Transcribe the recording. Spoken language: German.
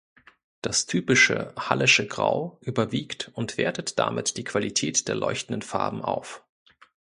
Das typische "Hallesche Grau" überwiegt und wertet damit die Qualität der leuchtenden Farben auf.